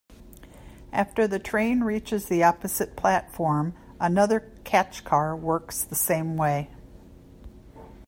After the train reaches the opposite platform, another catch car works the same way.